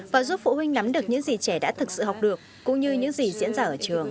và giúp phụ huynh nắm được những gì trẻ đã tìm ra